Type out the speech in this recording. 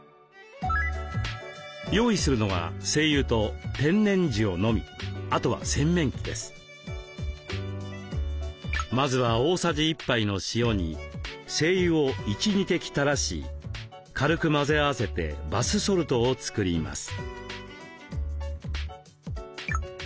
用意するのはまずは大さじ１杯の塩に精油を１２滴たらし軽く混ぜ合わせてバスソルトを作ります。